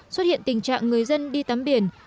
xuất hiện tình trạng người dân đi tắm biển